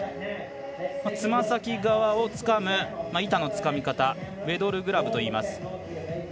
つま先側をつかむ板のつかみ方ウェドルグラブといいます。